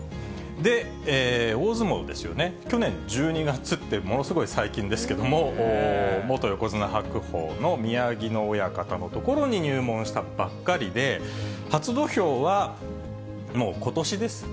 で、大相撲ですよね、去年１２月って、ものすごい最近ですけれども、元横綱・白鵬の宮城野親方のところに入門したばっかりで、初土俵はもうことしです。